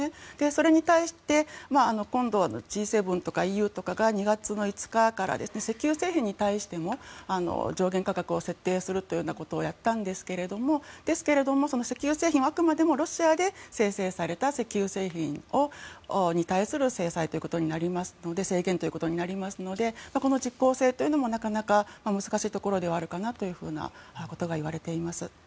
それに対して今度、Ｇ７とかＥＵが２月の５日から石油製品に対しても上限価格を設定するというようなことをやったんですけれども石油製品はあくまでもロシアで生成された石油製品に対する制裁ということになりますので実効性というのもなかなか難しいところではあるかなというようなことがいわれています。